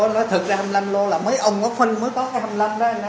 nói thật ra hai mươi năm lô là mấy ông có phân mới có cái hai mươi năm đó anh ha